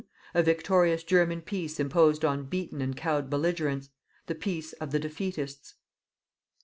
A victorious German peace imposed on beaten and cowed belligerents: the peace of the "defeatists."